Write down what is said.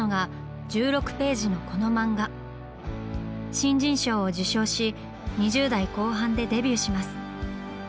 新人賞を受賞し２０代後半でデビューします。